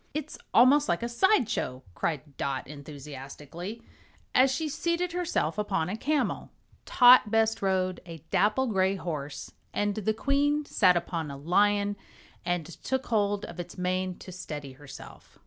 "It's almost like a side show!" cried Dot enthusiastically, as she seated herself upon a camel. Tot bestrode a dapple gray horse, and the Queen sat upon a lion and took hold of its mane to steady herself.